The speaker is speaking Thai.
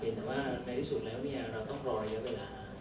เป็นว่าในฤทธิ์ศูนย์แล้วเราต้องรออย่างเวลา